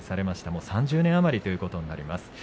もう３０年余りということになります。